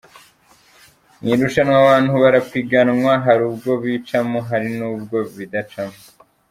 Mu irushanwa abantu barapiganwa, hari ubwo bicamo hari n’ubwo bidacamo.